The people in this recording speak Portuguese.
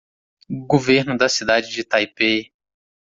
Governo da cidade de Taipei